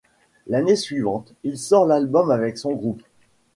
L'année suivante, il sort l'album avec son groupe.